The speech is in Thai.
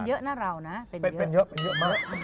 เป็นเยอะนะเรานะเป็นเยอะมาก